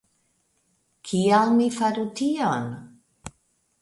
Kial mi faru tion?